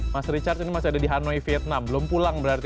mas richard ini masih ada di hanoi vietnam belum pulang berarti